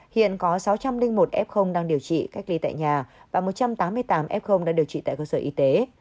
hiện có sáu trăm linh một f đang điều trị cách ly tại nhà và một trăm tám mươi tám f đã điều trị tại cơ sở y tế